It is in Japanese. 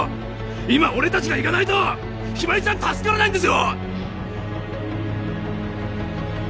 今俺達が行かないと日葵ちゃん助からないんですよ！